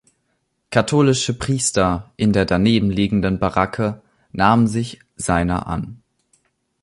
Katholische Priester in der danebenliegenden Baracke nahmen sich seiner an.